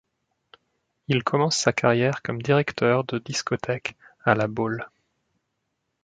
Il commence sa carrière comme directeur de discothèque à La Baule.